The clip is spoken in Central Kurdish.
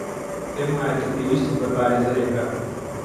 پێم وایە کە پێویستت بە پارێزەرێکە.